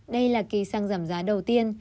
đây là kỳ xăng giảm giá đầu tiên